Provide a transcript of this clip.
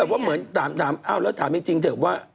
เขาก็เหมือนถามจริงเถอะว่า